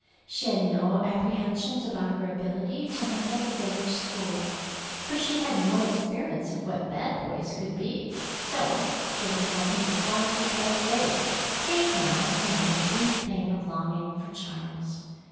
She had no apprehensions about her ability to handle the village school, for she had had no experience of what bad boys could be; so there was nothing to cloud her bright day, save now and then a brief pang of longing for Charles.